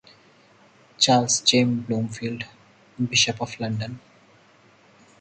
Charles James Blomfield, Bishop of London.